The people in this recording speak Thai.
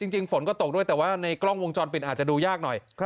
จริงฝนก็ตกด้วยแต่ว่าในกล้องวงจรปิดอาจจะดูยากหน่อย